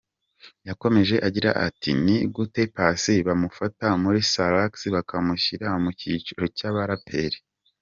Yakomeje agira ati, Ni gute Paccy bamufata muri Salax bakamushyira mu cyiciro cyabaraperi.